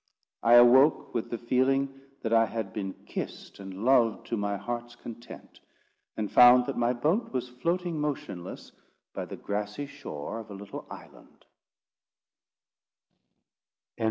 I awoke with the feeling that I had been kissed and loved to my heart's content; and found that my boat was floating motionless by the grassy shore of a little island.